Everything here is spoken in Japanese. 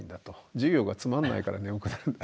「授業がつまんないから眠くなるんだ」と。